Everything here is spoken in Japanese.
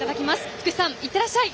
福士さん、いってらっしゃい！